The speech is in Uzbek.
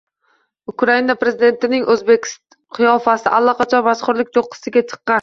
Ukraina prezidentining o'zbek qiyofasi allaqachon mashhurlik cho'qqisiga chiqqan